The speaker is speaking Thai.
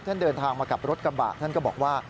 เดินทางมากับรถกระบะท่านก็บอกว่า